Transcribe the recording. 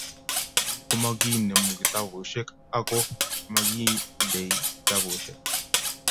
Yun komakinemu kitabusheck ako makindeni kitabusheck